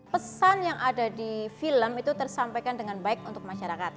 pesan yang ada di film itu tersampaikan dengan baik untuk masyarakat